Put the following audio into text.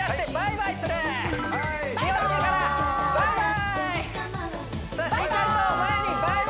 バイバーイ！